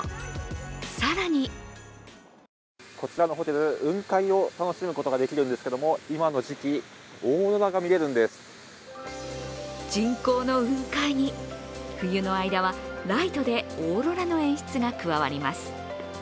更にこちらのホテル、雲海を楽しむことができるんですけど、今の時期、オーロラが見れるんです人工の雲海に冬の間はライトでオーロラの演出が加わります。